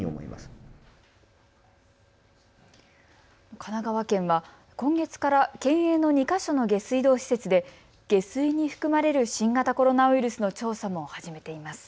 神奈川県は今月から県営の２か所の下水道施設で下水に含まれる新型コロナウイルスの調査も始めています。